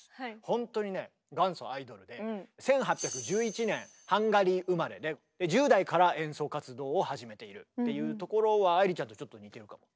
ほんとにね元祖アイドルで１８１１年ハンガリー生まれ。で１０代から演奏活動を始めているっていうところは愛理ちゃんとちょっと似てるかも。